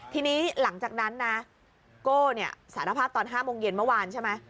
ทีนี้หลังจากนั้นนะโก้สารภาพตอน๕โมงเย็นเมื่อวานใช่ไหม